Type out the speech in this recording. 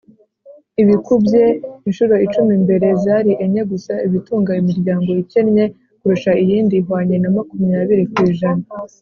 ibikubye inshuro icumi (mbere zari enye gusa) ibitunga imiryango ikennye kurusha iyindi ihwanye na makumyabiri ku ijana